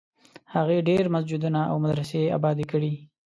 هغې ډېر مسجدونه او مدرسې ابادي کړې.